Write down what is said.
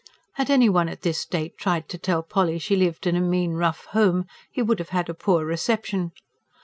Had anyone at this date tried to tell Polly she lived in a mean, rough home, he would have had a poor reception.